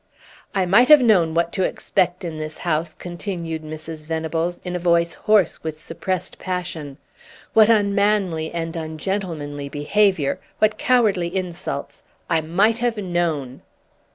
"I might have known what to expect in this house," continued Mrs. Venables, in a voice hoarse with suppressed passion, "what unmanly and ungentlemanly behavior, what cowardly insults! I might have known!"